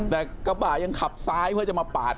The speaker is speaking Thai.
แต่กระบะยังขับซ้ายเพื่อจะมาปาด